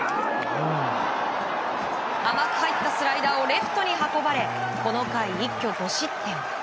甘く入ったスライダーをレフトに運ばれこの回、一挙５失点。